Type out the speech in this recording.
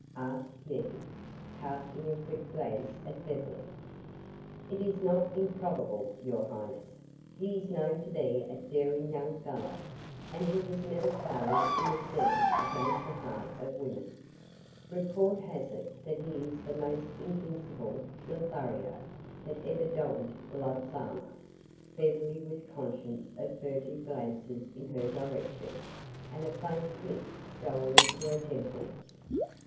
asked Yetive, casting a quick glance at Beverly. "It is not improbable, your highness. He is known to be a daring young fellow, and he has never failed in a siege against the heart of woman. Report has it that he is the most invincible Lothario that ever donned love's armor." Beverly was conscious of furtive glances in her direction, and a faint pink stole into her temples.